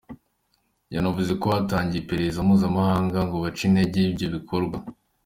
Yanavuze ko hatangiye iperereza mpuzamahanga ngo bace intege ibyo bikorwa.